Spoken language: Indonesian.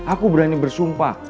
aku berani bersumpah